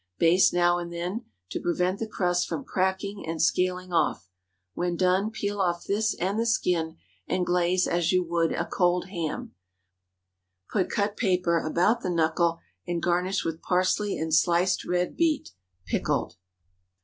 Baste now and then, to prevent the crust from cracking and scaling off. When done, peel off this and the skin, and glaze as you would a cold ham. Put cut paper about the knuckle, and garnish with parsley and sliced red beet—pickled.